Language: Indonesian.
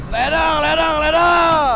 ledung ledung ledung